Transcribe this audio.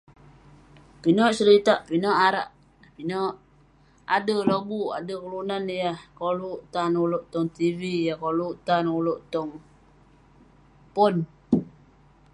Pineh seritak, pinek arak, pinek ade lobuk, ade kelunan yah koluk tan ulouk tong tv, yah koluk tan ulouk tong pon.